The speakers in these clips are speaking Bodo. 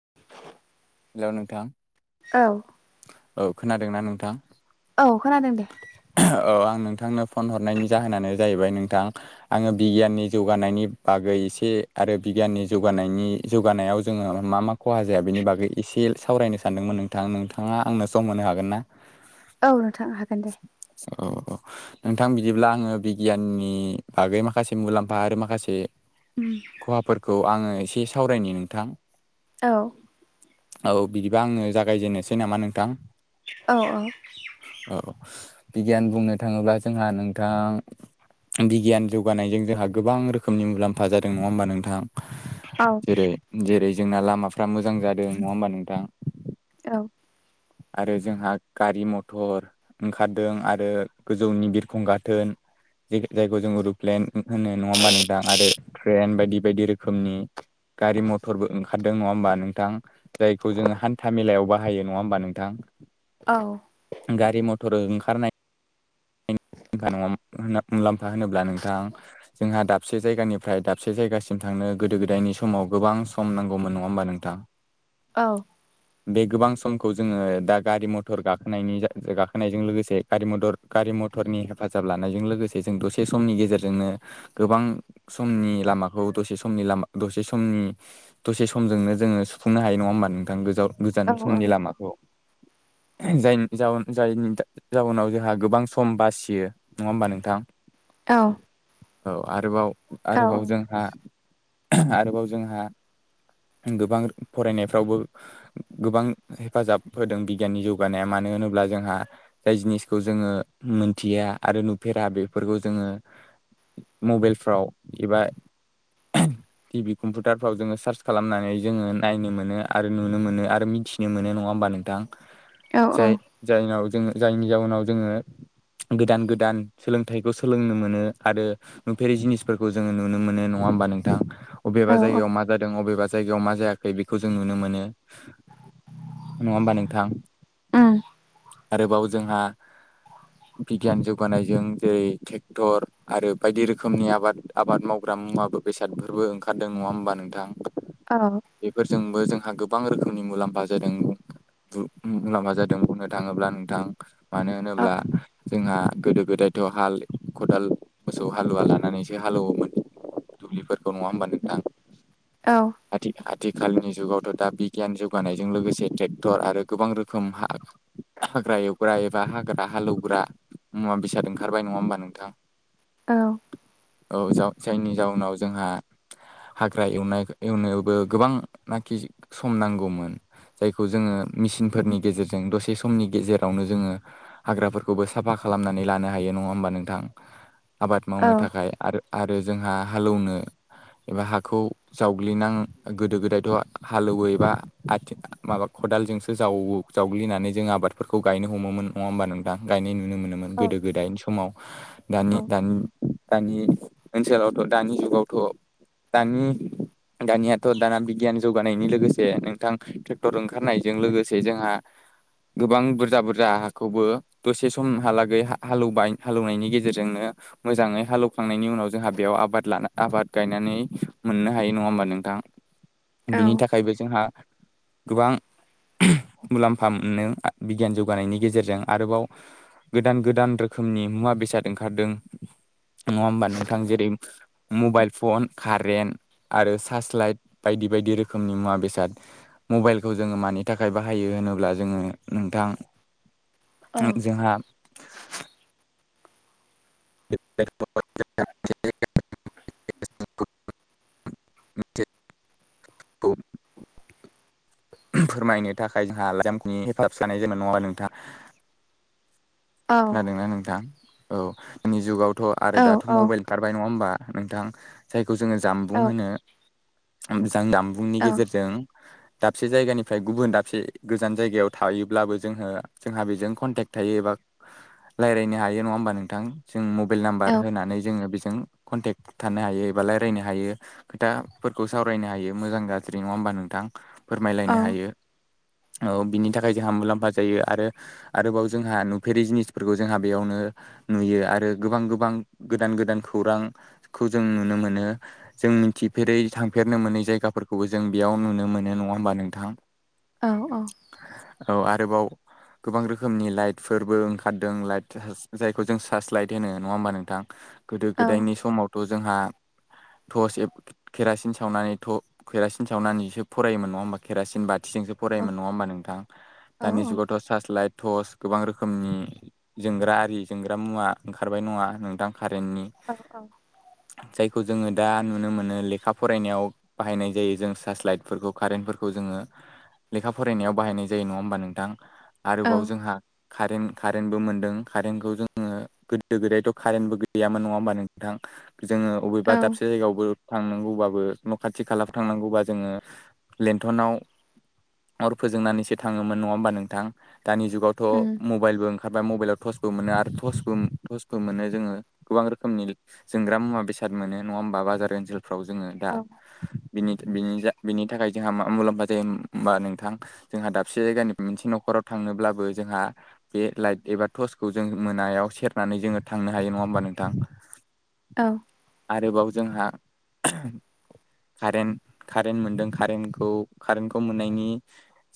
[inaudible] हेल' नोंथां। औ औ। खोनादों ना नोंथां? औ। खोनादों दे। औ आं नोंथांनो फन हरनायनि जाहोनानो जाहैबाय नोंथां आङो बिगियाननि जौगानायनि बागै एसे आरो बिगियाननि जौगानायनि जौगानायाव जोङो मा मा खहा जाया बेनि बागै एसे बे सावरायनो सानदोंमोन नोंथां नोंथाङा आंनो सम होनो हागोन ना औ, नोंथां हागोन दे। औ औ नोंथां बिदिब्ला आङो बिगियाननि बागै माखासे मुलाम्फा आरो माखासे खहाफोरखौ आङो एसे सावरायनि नोंथां। औ। औ बिदिबा आङो जागायजेनोसै नामा नोंथां? औ औ। बिगियान बुंनो थाङोब्ला जोंहा नोंथां बिगियान जौगानायजों जोंहा गोबां रोखोमनि मुलाम्फा जादों नङा होमबा औ नोंथाङा। जेरै जेरै जोंना लामाफ्रा मोजां जादों नङा होमबा नोंथां? औ औ [unintelligible] आरो जोंहा गारि मथर ओंखारदों आरो गोजौनि बिरखं गाथोन ज जायगायाव जों अरुप्लेन [inaudible] होनो नङा होमबा नोंथां आरो ट्रेन बायदि बायदि रोखोमनि गारि मथरबो ओंखार खारदों नङा होमबा नोंथां जायखौ जोङो हान्था मेलायाव बाहायो नङा होमबा नोंथां? गारि-मटर ओंखारनाय मुलामफा नङा मुलाम्फा होनोब्ला नोंथां जोंहा दाबसे जायगानिफ्राय दाबसे जायगासिम नोंथांनो गोदो गोदायनि समाव गोबां सम नांगौमोन नङा होमबा नोंथां? औ। बे गोबां समखौ जोङो दा गारि मथर गाखोनायनि गाखोनायजों लोगोसे गारि मटर गारि म मटरनि हेफाजाब लानायजों लोगोसे जों दसे समनि गेजेरजोंनो गोबां समनि लामाखौ दसे समनि लामा दसे समनि दसे सम समजोंनो जोङो सुफुंनो हायो नङा होमबा नोंथां गोजा-गोजान औ समनि लामाखौ? जायनि जाउन जायनि जाउनाव जोंहा गोबां सम बासियो। नङा होमबा नोंथां? औ आरोबाव आरोबाव जोंहा आरोबाव जोंहा गोबां फरायनायफ्रावबो गोबां हेफाजाब होदों बिगियाननि जौगानाया मानो मानो होनोब्ला जोंहा जाय जिनिसखौ जोङो मोनथिया आरो नुफेरा बेफोरखौ जोङो मबेइलफ्राव एबा टि भि कम्पुउटारफ्राव जोङो सार्च खालामनानै जोङो नायनो मोनो आरो नुनो मोनो आरो मिथिनो मोनो नङा होमबा नोंथां? औ जाय जायनाव जोङो जायनि जाउनाव जोङो गोदान गोदान सोलोंथाइखौ सोलोंनो मोनो आरो नुफेरि जिनिसफोरखौ जोङो नुनो मोनो। नङा होमबा नोंथां अबेबा जायगाव उम मा जादों अबेबा जायगायाव मा जायाखै बेखौ जों नुनो मोनो नङा होमबा नोंथां? ओम। आरोबाव जोंहा बिगियान जौगानायजों जेरै ट्रेक्टर आरो बायदि रोखोमनि आबाद आबाद मावग्रा मुवा बेसादफोरबो ओंखारदों नङा होमबा नोंथां औ औ बेफोरजोंबो जों गोबां रोखोमनि मुलाम्फा जादों बुं माबा जादों बुंनो थाङोब्ला नोंथां। मानो औ होनोब्ला जोंहा गोदो गोदायथ' हाल खदाल मोसौ हालुवा लानानैसो हालौवोमोन। दुब्लिफोरखौ नङा होमबा नोंथां? औ आथिखाल आथिखालनि जुगावथ' दा बिगियान जौगानायजों लोगोसे ट्रेक्टर आरो गोबां रोखोम हा हाग्रा एवग्रा एबा हाग्रा हालेवग्रा मुवा बेसाद ओंखारबाय नङा होमबा नोंथां? औ। औ जाउन जायनि जाउनाव जोंहा हाग्रा एवनाय एवनोबो गोबां नाखि सम नांगौमोन जायखौ जोङो मेसिनफोरनि गेजेरजों दसे समनि गेजेरावनो जोङो हाग्राफोरखौबो साफा खालामनानै लानो हायो नङा होमबा नोंथां? आबाद औ मावनो थाखाय आरो आरो जोंहा हालौवनो एबा हाखौ जावग्लिनां गोदो गोदायथ' हालेवो एबा आथिं माबा खदालजोंसो जावो जावग्लिनानै जों आबादफोरखौ गायनो हमोमोन नङा होमबा नोंथां गायनाय नुनो मोनोमोन गोदो गोदायनि समाव। दानि दानि दानि ओनसोलावथ' दानि जुगावथ' दानि दानियाथ' दाना बिगियान जौगानायनि लोगोसे नोंथां ट्रेक्टर ओंखारनायजों लोगोसे जोंहा गोबां बुरजा बुरजा हाखौबो दसे समहालागै हालेवबाय हालेवनायनि गेजेरजोंनो मोजाङै हालौवखांनायनि उनाव जोंहा बेयाव आबाद लाना आबाद गायनानै मोननो हायो नङा होमबा नोंथां बिनि थाखायबो जोंहा गोबां मुलाम्फा मोनो बिगियान जौगानायनि गेजेरजों आरोबाव गोदान गोदान रोखोमनि मुवा बेसाद ओंखारदों। नङा होमबा नोंथां जेरै मबाइल फन, कारेेन्ट आरो सार्च लाइट बायदि बायदि रोखोमनि मुवा बेसाद मबाइलखौ जोङो मानि थाखाय बाहायो होनोब्ला जोङो नोंथां जोंहा [unintelligible] [unintelligible] औ फोरमायनो थाखाय जोंहा लाइजामनि हेफाजाब जानाय जेनबा नङा होनबा नोंथां खोनादोंना नोंथां औ दानि जुगावथ' आरो दाथ' मबाइल ओंखारबाय नङा होमबा? नोंथां जायखौ जोङो जामबुं होनो जों जामबुंनि गेजेरजों दाबसे जायगानिफ्राय गुबुन दाबसे गोजान जायगायाव थायोब्लाबो जोङो जोंहा बेजों कन्टेक्ट हायो एबा लायरायनो हायो नङा होमबा नोंथां जों मबाइल नाम्बार होनानै जों जों कनतेक थानो हायो एबा लायरायनो हायो खोथाफोरखौ सावरायनो हायो मोजां गाज्रि नङा होमबा? होमबा नोंथां फोरमायलायनो हायो औ बिनि थाखाय जोंहा मुलाम्फा जायो आरो आरोबाव जोंहा नु फेरि जिनिसफोरखौ जोंहा बेयावनो नुयो आरो गोबां गोबां गोदान गोदान खौरां खौ जों नुनो मोनो जों मिथिफेरै थांफेरनो मोनै जायगाफोरखौबो जों बेयाव नुनो मोनो नङा होम बा नोंथां औ आरोबाव गोबां रोखोमनि लाइट फोरबो ओंखारदों लाइट जायखौ जों सार्सलाइथ होनो नङा होमबा नोंथां? गोदो गोदायनि समावथ' जोंहा टर्स एब केरासिन सावनानै केरासिन थ' केरासिन सावनानैसो फरायोमोन नङा होमबा केरासिन बा थिजोंसो फरायोमोन नङा होमबा नोंथां दानि जुगावथ सार्च लाइट तर्च गोबां रोखोम रोखोमनि जोंग्रा आरि जोंग्रा मुवा ओंखारबाय नङा नोंथां? कारेननि जाय खौ जोङो दा नुनो मोनो लेखा फरायनायाव बाहायनाय जायो जों साच लाइटफोरखौ कारेन्टफोरखौ जोङो। लेखा फरायनायाव बाहायनाय जायो नङा होमबा नोंथां आरोबाव जोंहा कारेन कारेनबो मोन्दों कारेनखौ जोङो गोदो गोदायथ' कारेन्टबो गैयामोन नङा होमबा‌ नोंथां जोङो अबेबा दाबसे जायगायावबो थांनांगौबाबो न' खाथि खाला थांनांगौबा जोङो लेन्थनाव अर फोजोंनानैसो थाङोमोन नङा होमबा नोंथां दानि जुगावथ' उम मबाइलबो ओंखारबाय मबाइलाव थसबो मोनो आरो टसबो मोनो जोङो गोबां रोखोमनि जोंग्रा मुवा बेसाद मोनो नङा‌ होमबा? बा बाजार ओनसोलफोराव जोङो दा औ बिनि‌‌ बिनि‌ जा थाखाय जों जोंहा मा मुलाम्फा जायो होमबा नोंथां जोंहा दाबसे जायगानि मोनसे नखराव थांनोब्लाबो जोंहा बे लाइट एबा टर्चखौ जों मोनायाव सेरनानै जोङो थांनो हायो नङा होमबा नोंथां? औ आरोबाव जोंहा कारेन्ट कारेन्ट मोनदों कारेन्टखौ कारेन्टखौ मोननायनि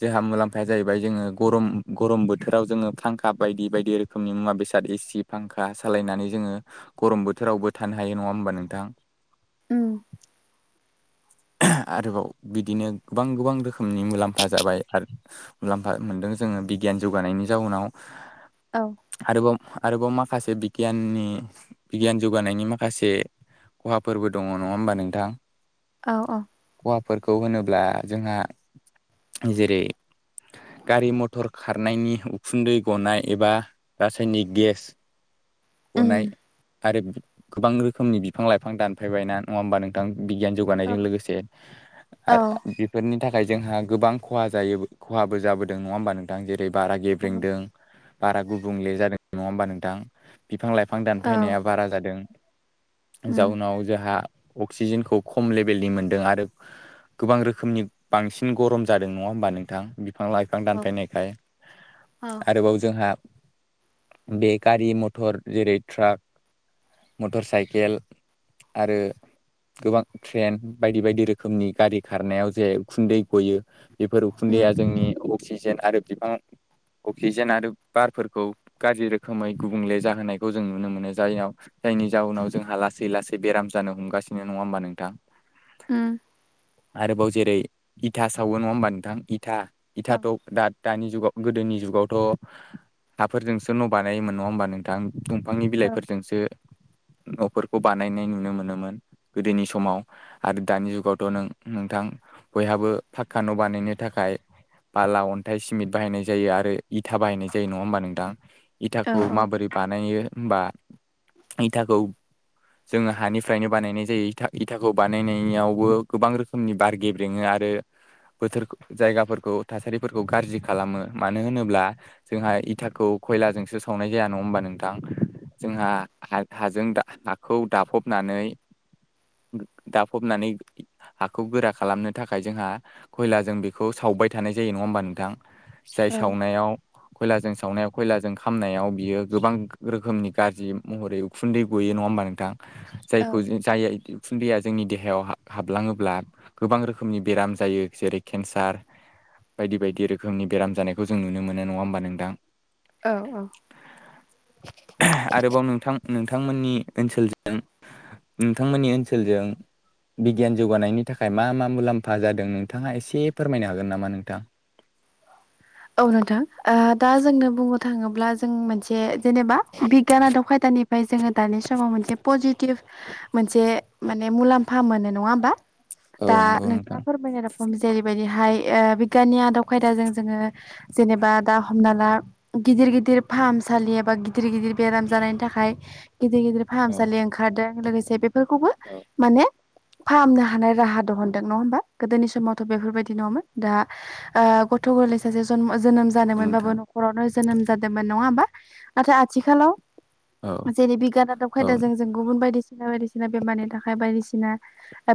जोंहा मुलाम्फाया जाहैबाय फाय जोङो गरम गरम बोथोर बोथोराव जोङो फांखा बायदि बायदि रोखोमनि मुवा बेसाद एसि फांखा सालायनानै जोङो गरम बोथोर फोरावबो थानो हायो नङा होमबा नोंथां? उम [inaudible] आरोबाव बिदिनो गोबां गोबां रोखोमनि मुलाम्फा जाबाय आरो मुलाम्फा मोन्दों जोङो बिगियान जौगानायनि जाउनाव औ आरोबाव आरोबाव माखासे बिगियाननि बिगियान जौगानायनि माखासे खहा फोरबो दङ नङा होमबा नोंथां औ औ फोरखौ होनोब्ला जोंहा जेरै गारि मथरखो खारनायनि उखुन्दै गनाय एबा रासायनिक गेस गनाय आरो गोबां रोखोमनि बिफां लाइफां दानफायबाय ना नङा होमबा नोंथां? बिगियान जौगानायजों लोगोसे आरो बेफोरनि थाखाय जों जोंहा गोबां खहा जायो खहाबो जाबोदों नङा होमबा नोंथां जेरै बारा गेब्रेंदों बारा गुबुंले जादों नङा होमबा नोंथां बिफां लाइफां औ दानफानाया बारा जादों उम जाउनाव जोंहा अक्सिजेनखौ खम लेभेलनि मोनदों आरो गोबां रोखोमनि बांसिन गरम जादों नङा होमबा नोंथां? बिफां लाइ बिइफां औ दानफायनायखाय औ आरोबाव जोंहा बे गारि मथर जेरै ट्राक मटर साइकेल आरो गोबां ट्रेन बायदि बायदि रोखोमनि गारि खारनायाव जे उखुन्दै गयो बेफोर उम उखुन्दैया जोंनि अक्सिजेन आरो बिफां अक्सिजेन आरो बारफोरखौ गाज्रि रोखोमै गुबुंले जाहोनायखौ जों नुनो मोनो जायनाव जायनि जाउनाव जोंहा लासै लासै बेराम जानो हमगासिनो नङा होमबा नोंथां उम आरोबाव जेरै इथा सावो नङा होमबा नोंथां इथा औ इथाथ' दा दानि जुगाव गोदोनि जुगावथ' हाफोरजोंसो न' बानायोमोन नङा होमबा नोंथां? दंफांनि औ बिलाइफोरजोंसो न'फोरखौ बानायनाय नुनो मोनोमोन गोदोनि समाव आरो दानि जुगावथ' नों नोंथां बयहाबो पाक्कान' बानायनो थाखाय बाला अनथा नाथाय सिमेन्ट बाहायनाय जायो आरो इथा बाहायनाय जायो नङा होमबा नोंथां औ इथाखौ माबोरै बानायो? होनबा इथाखौ जोङो हानिफ्रायनो बानायनाय जायो इा इथाखौ बानायनायावबो गोबां रोखोमनि बार गेब्रेङो आरो आरो बोथोर जायगाफोरखौ थासारि फोरखौ गाज्रि खालामो मानो होनोब्ला जोंहा इथाखौ खयलाजोंसो सावनाय जाया नङा होमबा नोंथां? जोंहा हाजों हाखौ दाफबनानै दाफबनानै हाखौ गोरा खालामनो थाखाय जोंहा खयलाजों बेखौ सावबाय थानाय जायो। जायो नङा होमबा नोंथां जाय औ सावनायाव खयलाजों सावनायाव खयलाजों खामनायाव बियो गोबां रोखोमनि गाज्रि महरै उखुन्दै गयो नङा होमबा नोंथां? औ जायखौ जाय फुनन्दया जोंनि देहायाव हाबलाङोब्ला गोबां रोखोमनि बेराम जायो, जेरै केन्सार बायदि बायदि रोखोमनि बेराम जानायखौ जों नुनो मोनो नङा होमबा नोंथां? औ औ। आरोबाव नोंथां नोंथांमोननि ओनसोलजों नोंथांमोननि ओनसोलजों बिगियान जौगानायनि थाखाय मा मा मुलाम्फा जादों नोंथाङा एसे फोरमायनो हागोन नामा नोंथां? औ नोंथां। ओ दा जोंनो बुंनो थाङोब्ला जों मोनसे जेनेबा बिगियान आदब खायदानिफ्राय जोङो दानि समाव मोनसे पजिटिभ मोनसे माने मुलाम्फा मोनो नङा होमबा? औ दा नंगौ नोंथाङा नोंथां फोरमायनाय रोखम जेरैबायदिहाय बिगियाननि आदब खायदाजों जोङो जेनेबा दा हमना ला गिदिर गिदिर फाहामसालि एबा गिदिर गिदिर बेराम जानायनि थाखाय गिदिर गिदिर औ फाहामसालि ओंखारदों लोगोसे बेफोरखौबो औ माने फाहामनो हानाय राहा दंहोनदों नङा होमबा गोदोनि समावथ' बेफोरबायदि नङामोन दा ओ गथ' गोरलै स सासे जोनोम ज जादों मोनबाबो नोंथां न'खरावनो जोनोम जादोंमोन नङा होमबा। नाथाय आथिखालाव औ जेरै बिगियान आदब औ खायदाजों जों गुबुन बायदि बायदिसिना बेमारनि थाखाय बायदिसिना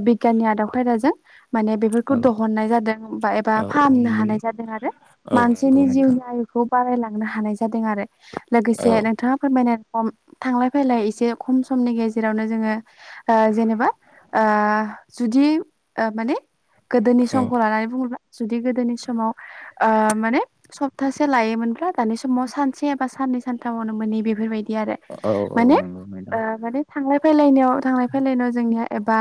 बिगियाननि आदब खायदाजों माने बेफोरखौ औ दहननाय जादों बा एबा औ औ फाहामनो नंगौ हानाय जादों आरो। औ मानसिनि नंगौ नोंथां जिउनि आयुखौ बारायलांनो हानाय जादों आरो लोगोसे औ नोंथाङा फोरमायनाय थांलाय फैलाय एसे खम समनि गेजेरावनो जोङो ओ जेनेबा ओ जुदि ओ माने गोदोनि औ समखौ लानानै बुङोब्ला जुदि गोदोनि समाव ओ माने सप्तासे लायोमोनब्ला दानि समाव सानसे एबा साननै सानथामावनो मोन बेफोरबायदि आरो औ औ माने नंगौ नोंथां ओ माने थांलाय फैलाय थांलाय फैलायाव जोंनिया एबा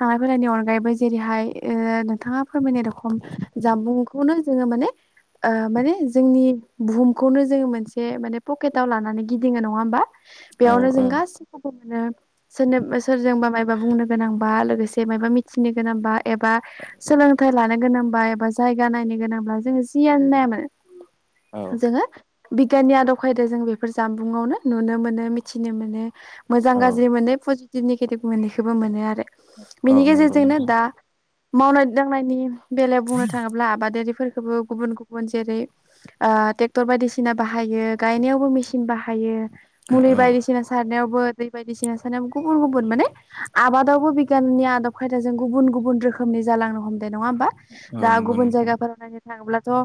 थांलाय फैलायनि अनगायैबो जेरैहाय ओ नोंथाङा फोरमायनाय रखम जामबुंखौ खुनु जोङो माने ओ माने जोंनि बुहुमखौनो जोङो मोनसे माने पकेटाव लानानै गिदिङो नङा होमबा? औ बेयावनो जों औ गासिखौबो आरो सोरनो सोरजोंबा मायबा बुंनो गोनांबा लोगोसे मायबा मिथिनो गोनांबा एबा सोलोंथाइ लानो गोनांबा एबा जायगा नायनो गोनांब्ला जोङो जियानो नाया औ मानो जोङो बिगियाननि आदब खायदाजों बेफोर जानबुंआवनो नुनो मोनो मिथिनो मोनो। मोजां औ गाज्रि मोनो पजिटिभ नेगेटिभ मोननैखौबो मोनो आरो। औ बेनि नंगौ गेजेरजोंनो नोंथां दा मावनाय दांनायनि बेलायाव बुंनो थाङोब्ला आबादारिफोरखौबो गुबुन गुबुन जेरै ओ ट्रेक्टर बायदिसिना बाहायो गायनायावबो मेसिन बाहायो औ मुलि बायदिसिना सारनायाव बो दै बायदिसिना सारनायावबो माने गुबुन गुबुनन माने आबादावबो बिगियाननि आदब खायदाजों गुब गुब रो खोमनि जालांनो हमदों नङा होमबा। औ दा नंगौ गुबुन नोंथां जायगाफोराव थाङोब्लाथ' ओ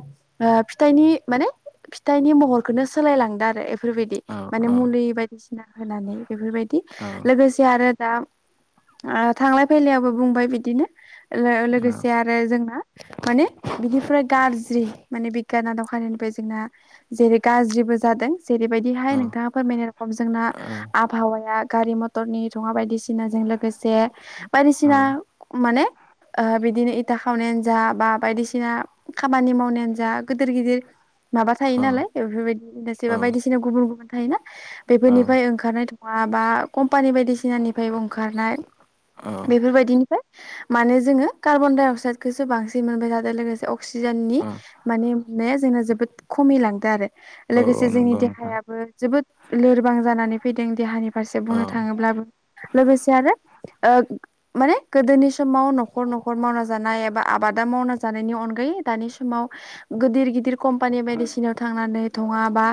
फिथाइनि माने फिथाइनि महरखौनो सोलायलांदो आरो। बेफोरबायदि, औ माने औ मुलि बायदिसिना होनानै बेफोरबायदि, औ लोगोसे आरो दा ओ थांलाय फैलायायावबो बुंबाय बिदिनो, लोगोसे आरो जोंना माने बिनिफ्राय गाज्रि माने बिगियाना दखानिनिफ्राय जोंना जेरै गाज्रिबो जादों जेरैबायदिहाय औ नोंथाङा फोरमायनाय रखम जोंना औ आबहावाया गारि मथरनि धुङा बायदि सिनाजों लोगोसे बायदिसिना माने ओ बिदिनो खावनायानो जा बा बायदिसिना खामानि मावनायानो जा गोदिर गिदिर माबा औ थायो नालाय बेफोरबायदि औ इबा बायदिसिना गुबुन गुबुन थायोना, बेफोरनिफ्राय ओंखारनाय धुङा माबा, कम्पानि बायदिसिनानिफ्रायबो ओंखारनाय, बेफोर बायदिनिफ्राय माने जोङो कार्बन डाइ अक्साइदखौसो बांसिन मोनबाय थादों, लोगोसे अक्सिजेननि माने मोननाया जोंना जोबोद खमि लांदों आरो। लोगोसे औ जोंनि नंगौ नोंथां देहायाबो जोबोद लोरबां जानानै फैदों देहानि फारसे बुंनो औ थाङोब्लाबो लोगोसे आरो ओ माने गोदोनि समाव न'खर न'खर मावना जानाय एबा आबादा मावना जानायनि अन गै दानि समाव गिदिर गिदिर कम्पानि बायदिसिनाव थांनानै थङा बा